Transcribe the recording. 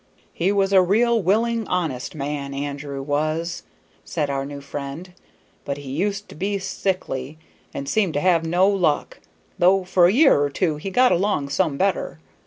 "He was a real willin', honest man, Andrew was," said our new friend, "but he used to be sickly, and seemed to have no luck, though for a year or two he got along some better.